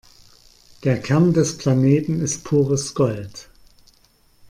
Der Kern des Planeten ist pures Gold.